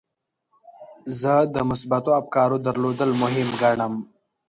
زه د مثبتو افکارو درلودل مهم ګڼم.